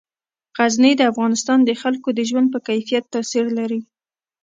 غزني د افغانستان د خلکو د ژوند په کیفیت تاثیر لري.